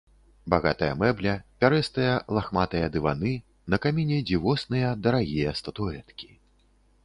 Багатая мэбля, пярэстыя, лахматыя дываны, на каміне дзівосныя, дарагія статуэткі.